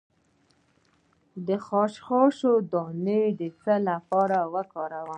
د خشخاش دانه د څه لپاره وکاروم؟